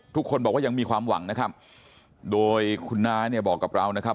ทุกคนบอกว่ายังมีความหวังนะครับโดยคุณน้าเนี่ยบอกกับเรานะครับ